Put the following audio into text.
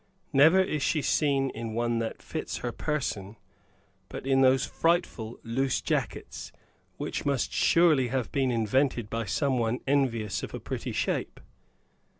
Never is she seen in one that fits her person, but in those frightful "loose jackets," which must surely have been invented by somebody envious of a pretty shape.